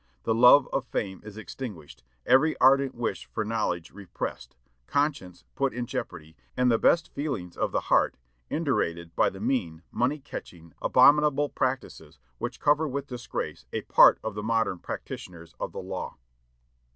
The love of fame is extinguished, every ardent wish for knowledge repressed; conscience put in jeopardy, and the best feelings of the heart indurated by the mean, money catching, abominable practices which cover with disgrace a part of the modern practitioners of the law."